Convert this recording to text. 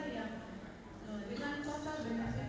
yang itu menggunakan